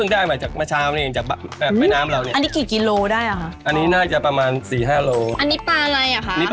โดยไม่ต้องเป็นปลาแม่น้ำไทยด้วยเหรอครับ